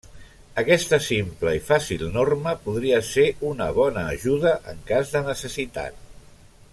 Aquesta simple i fàcil norma podria ser una bona ajuda en cas de necessitat.